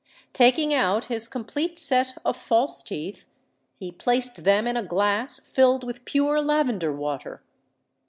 Taking out his complete set of false teeth, he placed them in a glass filled with pure lavender water.